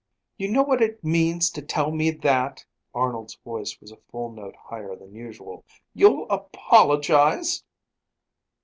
"You know what it means to tell me that." Arnold's voice was a full note higher than usual. "You'll apologize?"